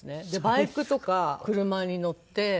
バイクとか車に乗って。